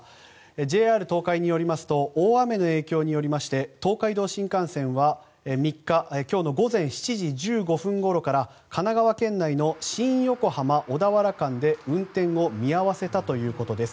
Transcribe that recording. ＪＲ東海によりますと大雨の影響によりまして東海道新幹線は、３日、今日の午前７時１５分ごろから神奈川県内の新横浜小田原間で運転を見合わせたということです。